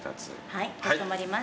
はいかしこまりました。